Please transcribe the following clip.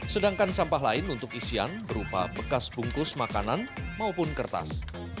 sedangkan sampah lain untuk isian berupa bekas bungkus makanan maupun kertas